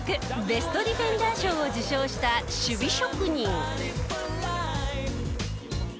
ベストディフェンダー賞を受賞した守備職人。